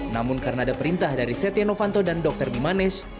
namun karena ada perintah dari setia novanto dan dr bimanesh